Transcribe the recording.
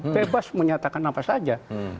bebas menyatakan apa saja